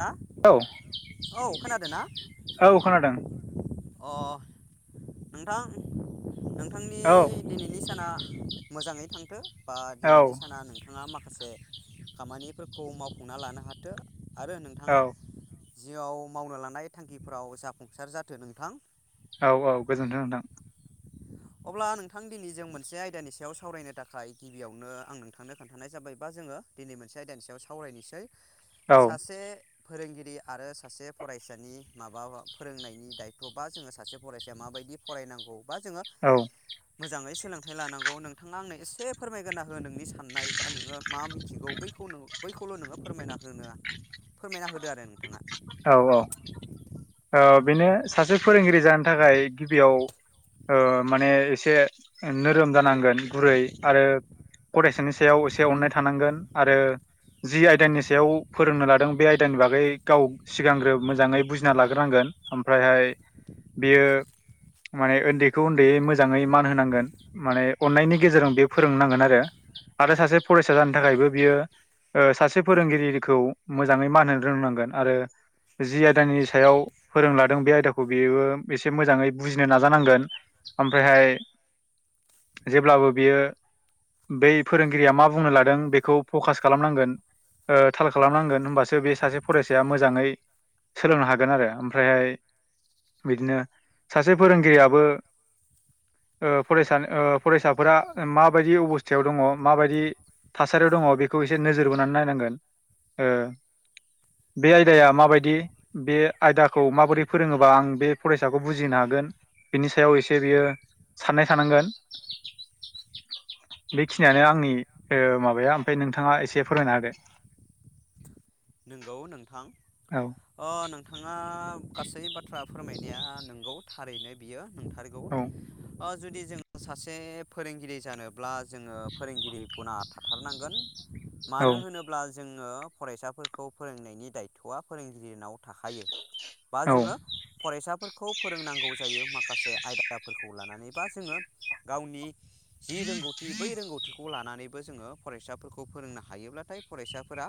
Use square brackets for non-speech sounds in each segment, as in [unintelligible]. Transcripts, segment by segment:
हा औ औ खोनादों ना? औ खोनादों अ नोंथां नोंथांनि औ दिनैनि साना मोजाङै थांथो बा औ दिनैनि साना नोंथाङा माखासे खामानिफोरखौ मावफुंना लानो हाथो आरो औ नोंथाङा जिउआव मावनो लानाय थांखिफोराव जाफुंसार जाथो नोंथां। औ औ गोजोन्थों नोंथां। अब्ला नोंथां दिनै जों मोनसे आयदानि सायाव सावरायनो थाखाय गिबियावनो आं नोंथांनो खोन्थानाय जाबाय। बा जोंङो दिनै मोनसे आयदानि सायाव सावरायनोसै औ सासे फोरोंगिरि आरो सासे फरायसानि माबा फोरोंनायनि दायथ' बा जोंङो सासे फरायसाया माबायदि? फरायनांगौ बा जोंङो औ मोजाङै सोलोंथाइ लानांगौ नोंथाङा आंनो एसे फोरमायना हो नोंनि साननाय बा नोङो मा मिथिगौ [unintelligible] बैखौल' नोङो फोरमायना होदो आरो नोंथाङा। औ औ बेनो सासे फोरोंगिरि जानो थाखाय गिबियाव माने एसे नोरोम जानांगोन गुरै आरो फरायसानि सायाव एसे अननाय थानांगोन। आरो जि आयदानि सायाव फोरोंनो लादों बे आयदानि बागै गाव सिगांग्रो मोजाङै बुजिना लाग्रोनांगोन ओमफ्रायहाय बियो माने उन्दैखौ उन्दै मैं मोजाङै मान होनांगोन माने अन्नायनि गेजेरजों बे फोरोंनांगोन आरो आरो सासे फरायसा जानो थाखायबो बियो ओ सासे फोरोंगिरिखौ मोजाङै मान होनो रोंनांगोन आरो जि आयदानि सायाव फोरोंलादों बे आयदाखौ बेबो एसे मोजाङै बुजिनो नाजानांगोन। ओमफ्रायहाय जेब्लाबो बियो बै फोरोंगिरिया मा बुंनो लादों बेखौ फकास खालामनांगोन थाल खालामनांगोन होनोमबासो बे सासे फरायसाया मोजाङै सोलोंनो हागोन आरो ओमफ्रायहाय बिदिनो सासे फोरोंगिरियाबो फरायसा फरायसाफोरा माबायदि अबस्थायाव दङ माबायदि थासारियाव दङ बेखौ एसे नोजोर बोनानै नायनांगोन बे आयदाया मा? माबायदि बे आयदाखौ माबोरै फोरोङोबा आं बे फरायसाखौ बुजिनो हागोन बिनि सायाव एसे बियो साननाय थानांगोन। [inaudible] बेखिनियानो आंनि ओ माबाया ओमफाय नोंथाङा एसे फोरमायना होदो। नोंगौ नोंथां। औ अ नोंथाङा गासै बाथ्रा फोरमायनाया नंगौ थारैनो बियो नोंथार औ ओ जुदि जों सासे फोरोंगिरि जानोब्ला जोङो फोरोंगिरि गुना थाथारनांगोन। मानो होनोब्ला जोङो फरायसाफोरखौ फोरोंनायनि दायथ'आ फोरोंगिरिनाव थाखायो बा औ जोङो फरायसाफोरखौ फोरोंनांगौ जायो माखासे आयदाफोरखौ लानानै बा जोङो गावनि जि रोंगौथि बै रोंगौथिखौ लानानै बो जोङो फरायसाफोरखौ फोरोंनो हायोब्लाथाय फरायसाफोरा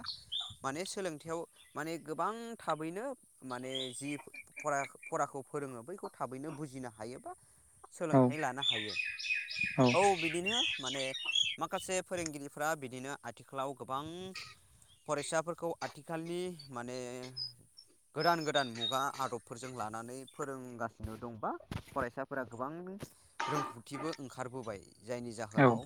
माने सोलोंथायाइयाव माने गोबां थाबैनो माने जि फरा-फराखौ फोरोङो बैखौ थाबैनो बुजिनो हायोबा औ सोलोंथाइ लानो हायो औ बिदिनो माने माखासे फोरोंगिरिफोरा बिदिनो आथिखालाव गोबां फरायसाफोरखौ आथिखालनि माने गोदान गोदान मुगा आदबफोरजों लानानै फोरोंगासिनो दंबा फरायसा फोर गोबां रोंगौथिबो ओंखारबोबाय जायनि औ जाहोनाव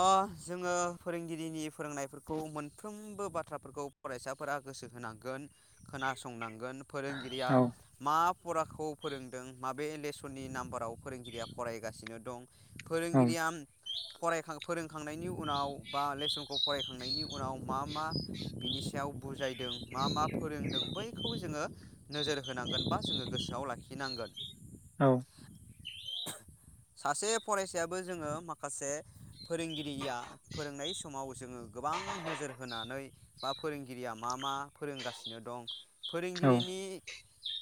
ओ जोङो फोरोंगिरिनि फोरोंनायफोरखौ मोनफ्रोमबो बा थ्राफोरखौ फरायसाफोरा गोसो होनांगोन खोनासंनांगोन फोरोंगिरिया औ मा फराखौ फोरोंदों माबे लेसननि नाम्बाराव फोरोंगिरिया फरायगासिनो दं। फोरोंगिरिया फरायखां फोरोंखांनायनि उनाव बा लेसनखौ फरायखांनायनि उनाव मा मा बिनि सायाव बुजायदों मा मा फोरोंदों बैखौ जोङो नोजोर होनांगोन बा जोङो गोसोआव लाखिनांगोन। औ [inaudible] सासे फरायसायाबो जोङो माखासे फोरोंगिरिया फोरोंनाय समाव जोङो गोबां नोजोर होनानै बा फोरोंगिरिया मा मा फोरोंगासिनो दं औ फोरोंगिरिनि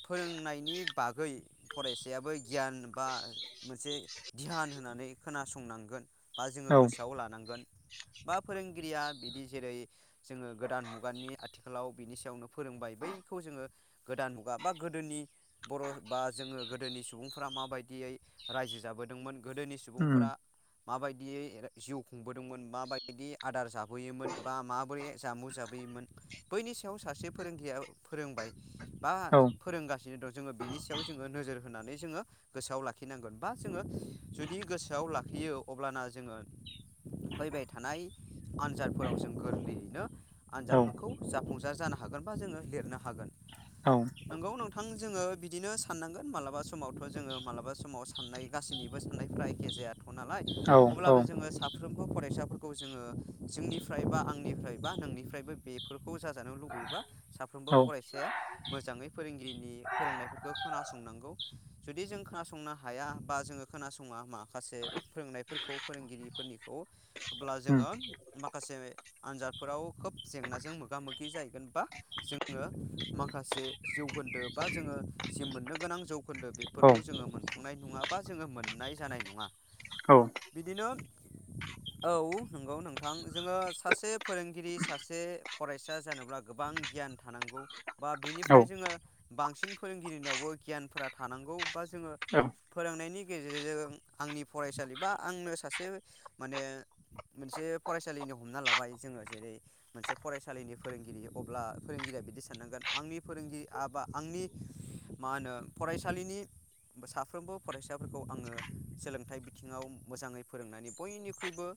फोरोंनायनि बागै फरायसायाबो गियान बा मोनसे धि्यान होननानै खोनासंनांगोन बा जोङो औ गोसोआव लानांगोन बा फोरोंगिरिया बिदि जेरै जोङो गोदान मुगानि आथिखालाव बिनि सायावनो फोरोंबाय बैखौ जोङो गोदान मुगा बा गोदोनि बर' बा जोङो गोदोनि सुबुंफ्रा माबायदियै रायजो जाबोदोंमोन गोदोनि उम सुबुंफोरा माबायदियै जिउ खुंबोदोंमोन माबायदि आदार जाबोयोमोन बा माबोरै जामु जाबोयोमोन बैनि सायाव सासे फोरोंगिरिया फोरोंबाय बा औ फोरोंगासिनो दं जोङो बिनि सायाव जोङो नोजोर होनानै जोङो गोसोआव लाखिनांगोन बा जोङो जुदि गोसोआव लाखियो अब्लाना जोङो फैबाय थानाय आनजादफोराव जों गोरलैयैनो औ आनजादफोरखौ जाफुंसार जानो हागोन बा जोङो लिरनो हागोन। नोंगौ नोंथां जोङो बिदिनो साननांगोन मालाबा समावथ' जोङो मालाबा समाव साननाय गासैनिबो साननायफ्रा एखे जायाथ' नालाय औ औ अब्लाबो जोङो साफ्रोमबो फरायसाफोर खौ जोङो जोंनिफ्राय बा आंनिफ्राय बा नोंनिफ्रायबो बेफोरखौ जाजानो लुबैयोबा साफ्रोमबो औ फरायसाया मोजाङै फोरोंगिरिनि फोरोंनायफोरखौ खोनासंनांगौ जुदि जों खोनासंनो हाया बा जोङो खोनासङा माखासे फोरोंनायफोरखौ फोरोंगिरिफोरनिखौ अब्ला उम जोङो माखासे आनजाद फोराव खोब जेंनाजों मोगा मोगि जाहैगोन बा जोङो माखासे जौखोन्दो बा जोङो जि मोननो गोनां जौखोन्दो औ बेफोरखौ जोङो मोनफुंनाय नङा बा जोङो मोननाय जानाय नङा। बिदिनो औ नंगौ नोंथां जोङो सासे फोरोंगिरि सासे फरायसा जानोब्ला गोबां गियान थानांगौ। बा बिनिफ्राय जोङो बांसिन फोरोंगिरिनियावबो गियानफोरा थानांगौ बा जोङो औ फोरोंनायनि गेजेरजों आंनि फरायसालि बा आंनो सासे माने मोनसे फरायसालिनि हमना लाबाय जोङो जेरै मोनसे फरायसालिनि फोरोंगिरि अब्ला फोरोंगिरिया बिदि साननांगोन आंनि फोरोंगिरि बा आंनि मा होनो फरायसालिनि साफ्रोमबो फरायसाफोरखौ आङो सोलोंथाइ बिथिङाव मोजाङै फोरोंनानै बयनिख्रुइबो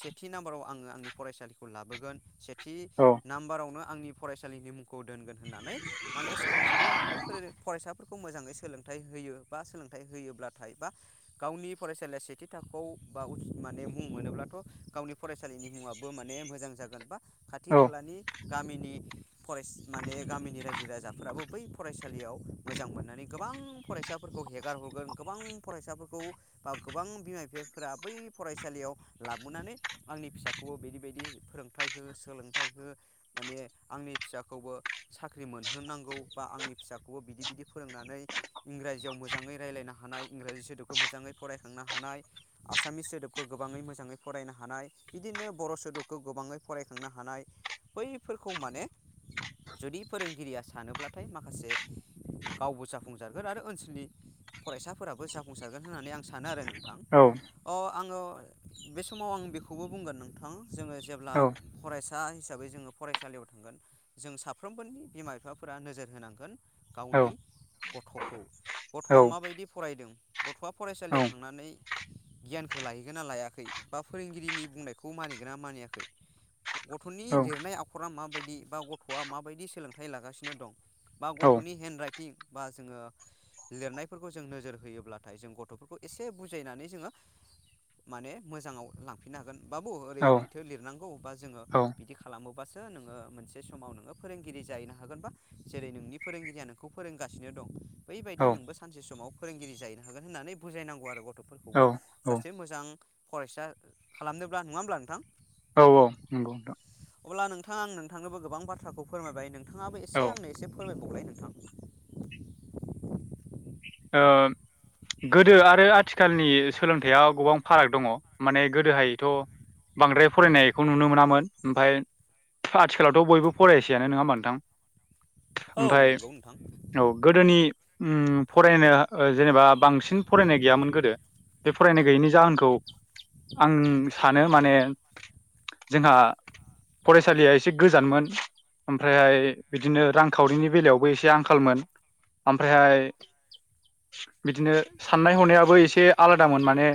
सेथि नाम्बाराव आङो आंनि फरायसालिखौ लाबोगोन सेथि औ नाम्बारावनो आंनि फरायसालिनि मुंखौ दोनगोन होननानै माने साननानै माने फरायसाफोरखौ मोजाङै सोलोंथाइ होयो बा सोलोंथाइ होयोब्लाथाय बा गावनि फरायसालिया सेथि थाखोआव बा माने मुं मोनोब्लाथ' गावनि फरायसालिनि मुङाबो माने मोजां जागोन बा खाथि औ खालानि गामिनि फराय माने गामिनि रायजो राजाफ्राबो बै फरायसालियाव मोजां मोननानै गोबां फरायसाफोरखौ हेगार हरगोन गोबां फरायसाफोरखौ बा गोबां बिमा बिफाफोरा बै फरायसालियाव लाबोनानै आंनि फिसाखौबो बिदि बायदि फोरोंथाइ हो सोलोंथाइ हो माने आंनि फिसाखौबो साख्रि मोनहोनांगौ बा आंनि फिसाखौबो बिदि बिदि फोरोंनानै इंराजियाव मोजाङै रायज्लायनो हानाय इंराजि सोदोबखौ मोजाङै फरायखांनो हानाय आसामिस सोदोबखौ गोबाङै मोजाङै फरायनो हानाय बिदिनो बर' सोदोब खौ गोबाङै फरायखांनो हानाय बैफोरखौ माने जुदि फोरोंगिरिया सानोब्लाथाय माखासे गावबो जाफुंसारगोन आरो ओनसोलनि फरायसाफोराबो जाफुंसारगोन होननानै आं सानो आरो नोंथां। औ अ आङो बे समाव आं बेखौबो बुंगोन नोंथां। जोङो जेब्ला औ फरायसा हिसाबै जोङो फरायसालियाव थांगोन जों साफ्रोमबोनि बिमा बिफाफोरा नोजोर होनांगोन औ गावनि गथ'खौ औ गथ'आ माबायदि फरायदों गथ'आ औ फरायसालियाव थांनानै गियानखौ लाहैगोन ना लायाखै बा फोरोंगिरिनि बुंनायखौ मानिगोन ना मानियाखै गथ'नि औ लिरनाय आखरा माबायदि बा गथ'आ माबायदि सोलोंथाइ लागासिनो दं। बा औ गथ'नि हेन्ड राइटिं बा जोङो लिरनायफोरखौ जों नोजोर होयोब्लाथाय जों गथ'फोरखौ एसे बुजायनानै जोङो माने मोजाङाव लांफिननो हागोन बाबु ओरै थो लिरनांगौ बा जोङो बिदि खालामोबासो नोङो मोनसे समाव नोङो फोरोंगिरि जाहैनो हागोन बा जेरै नोंनि फोरोंगिरिया नोंखौ फोरोंगासिनो दं बैबायदि नोंबो सानसे समाव फोरोंगिरि जाहैनो हागोन होननानै बुजायनांगौ आरो औ गथ'फोरखौबो सासे मोजां फरायसा खालामनोब्ला नङा होमब्ला नोंथां? नंगौ औ नोंथां अब्ला नोंथां आं नोंथांनोबो गोबां बाथ्राखौ फोरमायबाय नोंथाङाबो औ ओ एसे आंनो एसे फोरमायबावबाय नोंथां। ओ गोदो आरो आथिखालनि सोलोंथाइआव गोबां फाराग दङ माने गोदोहायथ' बांद्राय फरायनायखौ नुनो मोनामोन ओमफ्राय आथिखालावथ' बयबो फरायसैयानो नोङा ओमबा नोंथां औ ओमफ्राय नंगौ नोंथां औ गोदोनि फरायनो जेनेबा बांसिन सिन फरायनाय गैयामोन गोदो बे फरायनाय गैयैनि जाहोनखौ आं सानो माने जोंहा फरायसालिया एसे गोजानमोन। ओमफ्रायहाय बिदिनो रांखावरिनि बेलायावबो एसे आंखालमोन। ओमफ्रायहाय [inaudible] बिदिनो साननाय हनायाबो एसे आलादामोन माने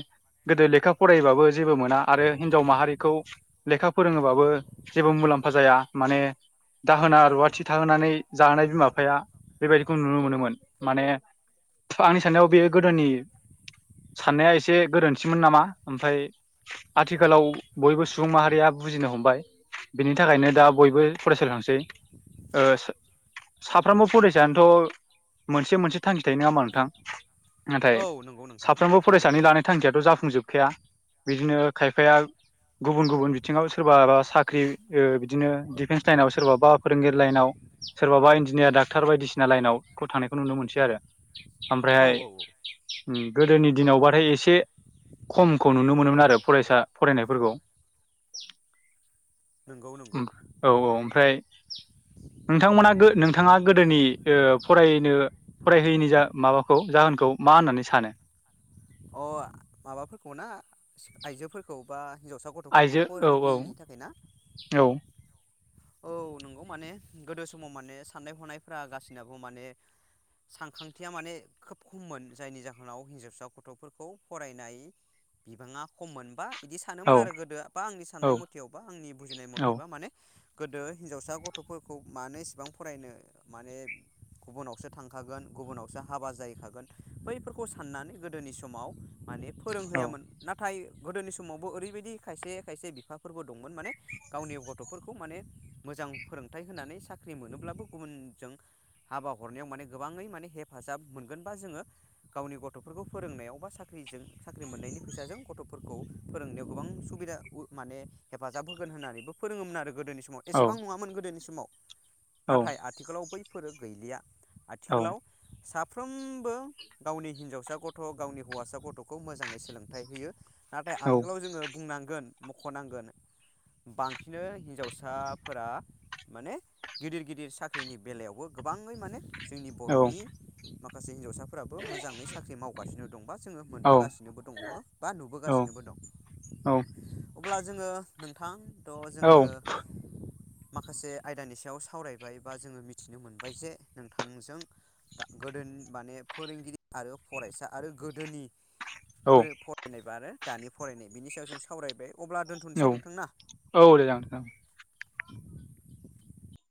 गोदो लेखाखौ फरायबाबो जेबो मोना आरो हिनजाव माहारिखौ लेखा फोरोङोबाबो जेबो मुलाम्फा जाया। माने दाहोना रुवाथि थाहोनानै जाहोनाय बिमा बिफाया बेबायदिखौ नुनो मोनोमोन। माने आंनि साननायाव बेयो गोदोनि साननाया एसे गोरोन्थिमोन नामा ओमफ्राय आथिखालाव बयबो सुबुं माहारिया बुजिनो हमबाय। बिनि थाखायनो दा बयबो फरायसालियाव थांसै साफ्रोमबो फरायसायानोथ' मोनसे मोनसे थांखि थायो नङामा नोंथां? नाथाय औ नंगौ नोंथां साफ्रोमबो थायो फरायसानि लानाय थांखियाथ' जाफुंजोबखाया बिदिनो खायफाया गुबुन गुबुन बिथिङाव सोरबाा साख्रि बिदिनो डिफेन्स लाइनाव सोरबा बा फोरोंगिरि लाइनाव सोरबाबा इन्जिनियार डाक्टार बायदिसिना लाइनाव थांनायखौ नुनो मोनसै आरो। औ ओमफ्रायहाय औ औ गोदोनि दिनावबाथाय एसे खमखौ नुनो मोनोमोन आरो फरायसा फरायनायफोरखौ नंगौ नंगौ औ औ ओमफ्राय नोंथांमोना नोंथाङा गोदोनि ओ फरायनो फरायहोयैनि जा माबाखौ जाहोनखौ मा होननानै सानो? अ माबाफोरखौ ना आइजोफोरखौ बा हिनजावसा गथ' गथ'फोरखौ आइजो औ फोरोंहोयिनि औ थाखाय ना औ औ नंगौ माने गोदो समाव माने साननाय हनायफ्रा गासिनाबो माने सानखांथिया माने खोब खममोन जायनि जाहोनाव हिनजावसा गथ'फोरखौ फरायनाय बिबाङा खम मोनबा बिदि सानोमोन औ आरो गोदो बा आंनि साननाय औ मथेयावबा आंनि बुजिनाय औ मथेबा माने गोदो हिनजावसा गथ'फोरखौ मानो इसेबां फरायनो माने गुबुनावसो थांखागोन गुबुनावसो हाबा जाहैखागोन बैफोरखौ साननानै गोदोनि समाव माने औ फोरोंहैयामोन। नाथाय गोदोनि समावबो ओरैबायदि खायसे खायसे बिफाफोरबो दंमोन माने गावनि गथ'फोरखौ माने मोजां फोरोंथाइ होनानै साख्रि मोनोब्लाबो गुबुनजों हाबा हरनायाव माने गोबाङै माने हेफाजाब मोनगोन बा जोङो गावनि गथ'फोरखौ फोरोंनायाव बा साख्रिजों साख्रि मोननायनि फैसाजों गथ'फोरखौ फोरोंनायाव गोबां सुबिदा माने हेफाजाब होगोन होननानैबो फोरोङोमोन आरो गोदोनि समाव औ एसेबां नङामोन गोदोनि समाव औ नाथाय आथिखालाव बैफोरो गैलिया औ आथिखालाव साफ्रोमबो गावनि हिनजावसा गथ' गावनि हौवासा गथ'खौ मोजाङै सोलोंथाइ होयो। नाथाय औ आथिखालाव जोङो बुंनांगोन मख'नांगोन बांसिनो हिनजावसा फोरा माने गिदिर गिदिर साख्रिनि बेलायावबो गोबाङै माने जोंनि औ बर'नि माखासे हिनजावसाफोराबो मोजाङै साख्रि मावगासिनो दंबा जोङो मोनबोगासिनोबो दङ बा नुबोगासिनोबो दं औ अब्ला जोङो नोंथां द' जोङो औ माखासे आयदानि सायाव सावरायबाय बा जोङो मिथिनो मोनबाय जे नोंथांजों दा गोदो माने फोरोंगिरि आरो फरायसा आरो गोदोनि फरायनायबा आरो दानि फरायनाय बिनि सायाव जों सावरायबाय अब्ला औ दोन्थ'नोसै नोंथांना। औ दे ज ज। [inaudible]